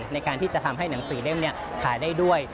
ในการที่จะทำให้หนังสือเล่มขายได้ด้วย